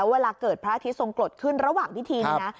เวลาเกิดพระอาทิตยทรงกรดขึ้นระหว่างพิธีเนี่ยนะ